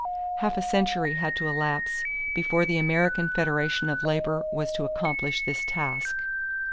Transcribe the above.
Half a century had to elapse before the American Federation of Labor was to accomplish this task.